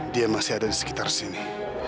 dia masih ada di sekitar sini